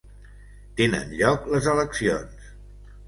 Tenen lloc les eleccions.